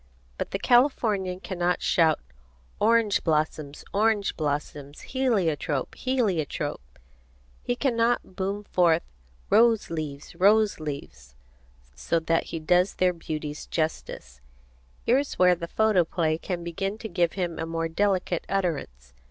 But the Californian cannot shout "orange blossoms, orange blossoms; heliotrope, heliotrope!" He cannot boom forth "roseleaves, roseleaves" so that he does their beauties justice. Here is where the photoplay can begin to give him a more delicate utterance.